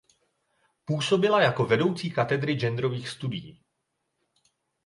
Působila jako vedoucí Katedry genderových studií.